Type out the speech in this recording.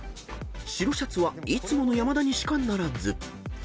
［白シャツはいつもの山田にしかならず］